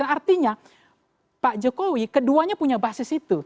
artinya pak jokowi keduanya punya basis itu